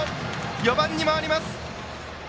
４番に回ります。